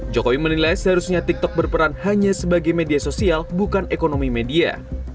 jokowi menilai seharusnya tiktok berperan hanya sebagai media sosial bukan ekonomi media